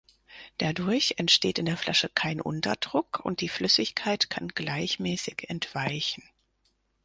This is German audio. Dadurch entsteht in der Flasche kein Unterdruck, und die Flüssigkeit kann gleichmäßig entweichen.